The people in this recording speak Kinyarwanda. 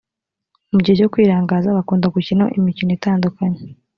mu gihe cyo kwirangaza bakunda gukina imikino itandukanye.